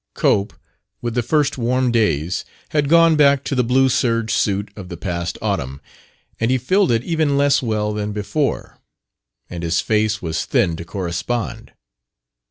'" Cope, with the first warm days, had gone back to the blue serge suit of the past autumn, and he filled it even less well than before. And his face was thin to correspond.